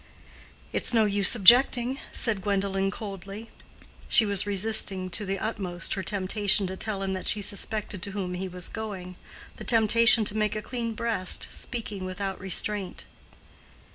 "It's no use objecting," said Gwendolen, coldly. She was resisting to the utmost her temptation to tell him that she suspected to whom he was going—the temptation to make a clean breast, speaking without restraint.